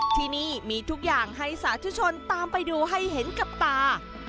ที่นี่มีทุกอย่างให้สาธุชนตามไปดูให้เห็นกับตา